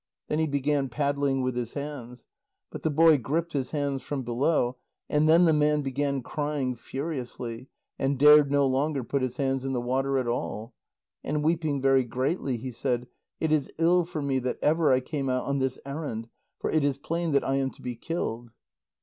Then he began paddling with his hands. But the boy gripped his hands from below, and then the man began crying furiously, and dared no longer put his hands in the water at all. And weeping very greatly he said: "It is ill for me that ever I came out on this errand, for it is plain that I am to be killed."